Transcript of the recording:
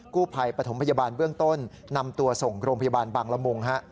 กู้ภัยปฐมพยาบาลเบื้องต้นนำตัวส่งโรงพยาบาลบางละมุง